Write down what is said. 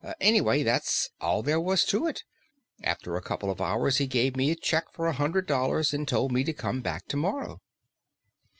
Anyway, that's all there was to it. After a couple of hours he gave me a check for a hundred dollars and told me to come back tomorrow."